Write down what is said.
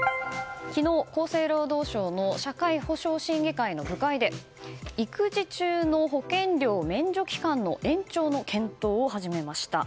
昨日、厚生労働省の社会保障審議会の部会で育児中の保険料免除期間の延長の検討を始めました。